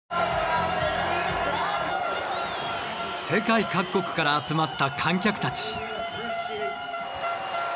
世界各国から集まった観客たち。